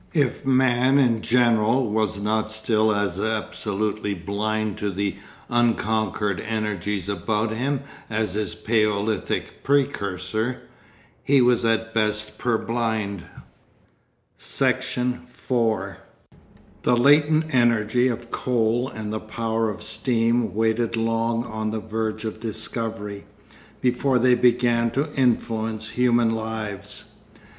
If man in general was not still as absolutely blind to the unconquered energies about him as his paleolithic precursor, he was at best purblind. Section 4 The latent energy of coal and the power of steam waited long on the verge of discovery, before they began to influence human lives.